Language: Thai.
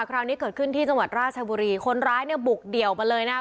คราวนี้เกิดขึ้นที่จังหวัดราชบุรีคนร้ายเนี่ยบุกเดี่ยวมาเลยนะครับ